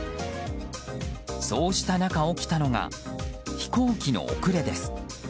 そうした中、起きたのが飛行機の遅れです。